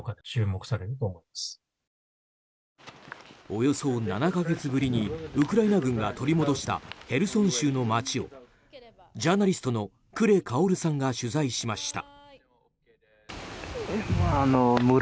およそ７か月ぶりにウクライナ軍が取り戻したヘルソン州の街をジャーナリストのクレ・カオルさんが取材しました。